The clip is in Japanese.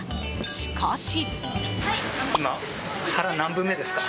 しかし。